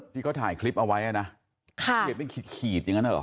ที่เขาถ่ายคลิปเอาไว้นะเขียนเป็นขีดขีดอย่างนั้นเหรอ